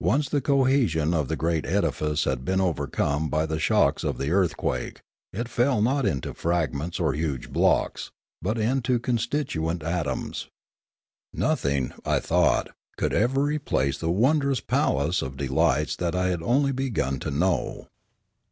Once the cohesion of the great edifice had been overcome by the shocks of the earthquake, it fell not into fragments or huge blocks, but into its constituent atoms. Nothing, I A Catastrophe 157 thought, could ever replace the wondrous palace of delights that I had only begun to know.